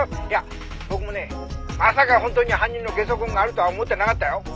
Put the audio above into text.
いや僕もねまさか本当に犯人のゲソ痕があるとは思ってなかったよ」